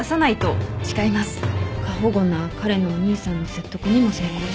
過保護な彼のお兄さんの説得にも成功して。